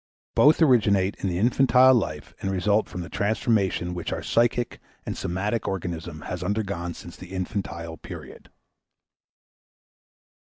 Both originate in the infantile life and result from the transformation which our psychic and somatic organism has undergone since the infantile period.